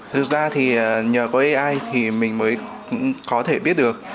thực ra thì nhờ có ai thì mình mới có thể biết được